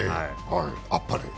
あっぱれ？